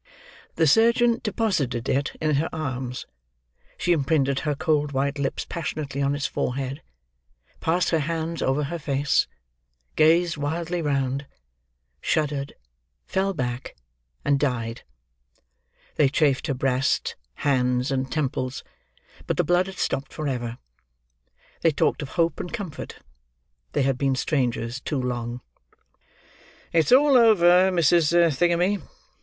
The surgeon deposited it in her arms. She imprinted her cold white lips passionately on its forehead; passed her hands over her face; gazed wildly round; shuddered; fell back—and died. They chafed her breast, hands, and temples; but the blood had stopped forever. They talked of hope and comfort. They had been strangers too long. "It's all over, Mrs. Thingummy!"